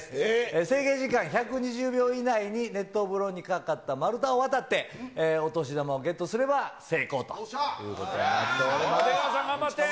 制限時間１２０秒以内に、熱湯風呂に架かった丸太を渡って、お年玉をゲットすれば成功という出川さん、頑張って。